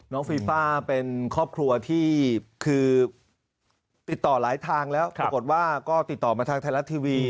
ฟีฟ่าเป็นครอบครัวที่คือติดต่อหลายทางแล้วปรากฏว่าก็ติดต่อมาทางไทยรัฐทีวี